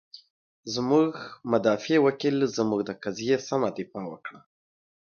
زمونږ مدافع وکیل، زمونږ د قضیې سمه دفاع وکړه.